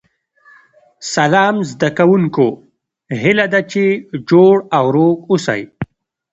سلام زده کوونکو هیله ده چې جوړ او روغ اوسئ